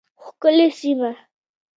ښکلې سیمه